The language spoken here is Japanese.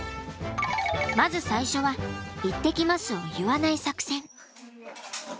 まず最初は「行ってきます」を言わない作戦。